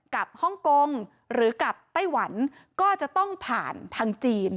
ฮ่องกงหรือกับไต้หวันก็จะต้องผ่านทางจีน